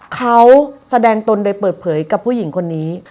เขาแสดงตนโดยเปิดเผยกับผู้หญิงคนนี้